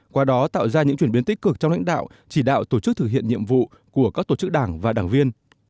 qua đó tạo ra những chuyển biến tích cực trong lãnh đạo chỉ đạo tổ chức thực hiện nhiệm vụ của các tổ chức đảng và đảng viên